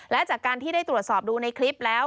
และจากการที่ได้ตรวจสอบดูในคลิปแล้ว